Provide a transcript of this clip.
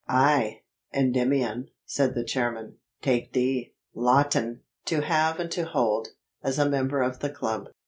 "I, Endymion," said the chairman, "take thee, Lawton, to have and to hold, as a member of the club."